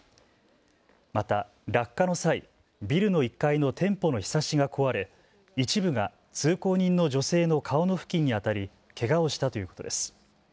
また落下の際、ビルの１階の店舗のひさしが壊れ一部が通行人の女性の顔の付近に当たりけがをしたということです。